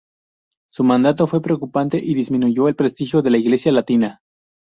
Su mandato fue preocupante y disminuyó el prestigio de la Iglesia latina.